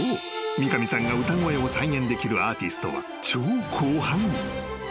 三上さんが歌声を再現できるアーティストは超広範囲］